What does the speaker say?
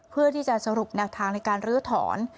เพื่อที่จะสรุปแนวทางในการลื้อถอน